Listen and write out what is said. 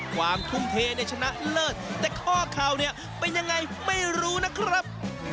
ความทุ่มเทในชนะเลิศแต่ข้อข่าวเนี่ยเป็นยังไงไม่รู้นะครับ